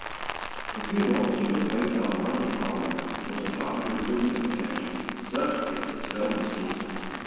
The funeral, which took place on the Monday following, was a popular tribute of affection, such as is seldom seen.